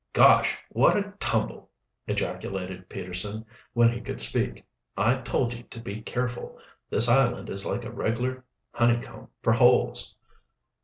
"Gosh, what a tumble!" ejaculated Peterson, when he could speak. "I told ye to be careful. This island is like a reg'lar honeycomb fer holes."